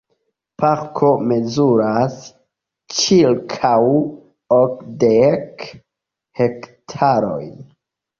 Parko mezuras ĉirkaŭ okdek hektarojn.